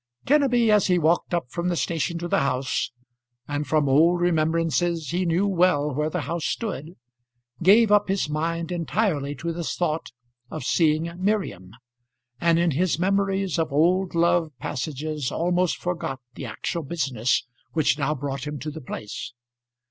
Kenneby as he walked up from the station to the house, and from old remembrances he knew well where the house stood, gave up his mind entirely to the thought of seeing Miriam, and in his memories of old love passages almost forgot the actual business which now brought him to the place.